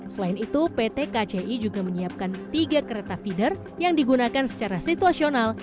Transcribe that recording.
selain itu pt kci juga menyiapkan tiga kereta feeder yang digunakan secara situasional